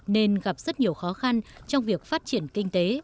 nên gặp rất nhiều khó khăn trong việc phát triển kinh tế